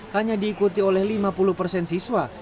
hanya diikuti oleh lima puluh persen siswa